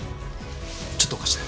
ちょっと貸して。